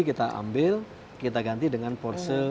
kita ambil kita ganti dengan porse